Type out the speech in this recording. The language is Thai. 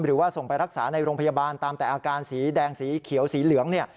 หรือว่าส่งไปรักษาในโรงพยาบาลตามแต่อาการสีแดงสีเขียวสีเหลืองเนี่ย